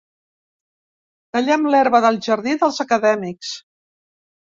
Tallem l'herba del jardí dels acadèmics.